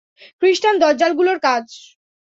খ্রিষ্টান দজ্জালগুলোর কাজ!